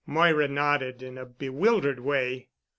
Moira nodded in a bewildered way.